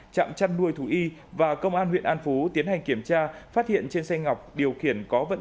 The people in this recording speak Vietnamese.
trạm chăn nuôi thú y và công an huyện an phú tiến hành kiểm tra phát hiện trên xe ngọc điều khiển có vận